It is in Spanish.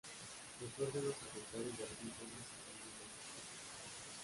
Los órganos afectados darán síntomas y signos más específicos.